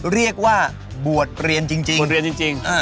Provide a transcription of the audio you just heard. เรียกว่าบวชเพลี่ยนจริง